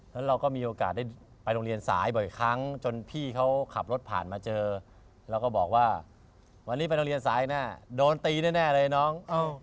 แล้วเราก็มีโอกาสได้ไปโรงเรียนสายบ่อยครั้งจนพี่เขาขับรถผ่านมาเจอแล้วก็บอกว่าวันนี้ไปโรงเรียนสายแน่โดนตีแน่เลยน้อง